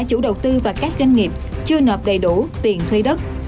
công ty và các doanh nghiệp chưa nợp đầy đủ tiền thuê đất